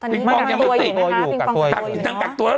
ปิงปองยังไม่ติดปิงปองตัวอยู่นะคะปิงปองตัวอยู่เนอะ